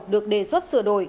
được đề xuất sửa đổi